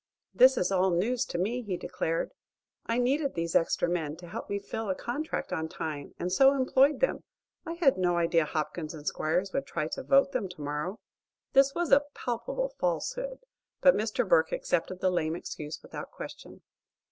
"This is all news to me," he declared. "I needed these extra men to help me fill a contract on time, and so employed them. I had no idea Hopkins and Squiers would try to vote them tomorrow." This was a palpable falsehood, but Mr. Burke accepted the lame excuse without question.